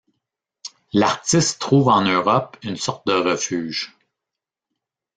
L'artiste trouve en Europe une sorte de refuge.